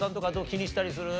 気にしたりする？